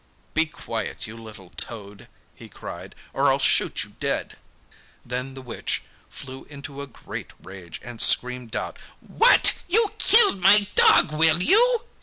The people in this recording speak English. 'Be quiet, you little toad,' he cried, 'or I'll shoot you dead.' Then the witch flew into a great rage, and screamed out, 'What! you'll kill my dog, will you?